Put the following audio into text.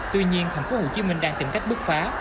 tuy nhiên thành phố hồ chí minh đang tìm cách bước phá